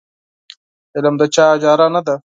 علم د چا اجاره نه ده.